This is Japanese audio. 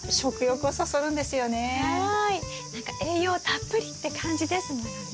何か栄養たっぷりって感じですものね。